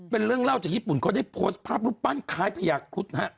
เป็นเรื่องเล่าจากญี่ปุ่นเขาได้โพสต์ภาพรูปปั้นคล้ายพญาครุฑฮะ